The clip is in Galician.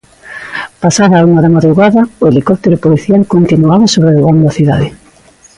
Pasada a unha da madrugada, o helicóptero policial continuaba sobrevoando a cidade.